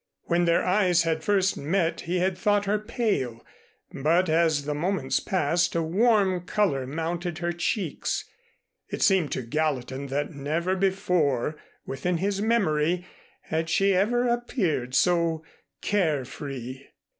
When their eyes had first met he had thought her pale, but as the moments passed a warm color mounted her cheeks. It seemed to Gallatin that never before within his memory had she ever appeared so care free.